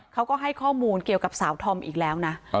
เขาก็ให้ข้อมูลเกี่ยวกับสาวธอมอีกแล้วนะ